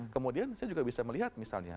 kemudian saya juga bisa melihat misalnya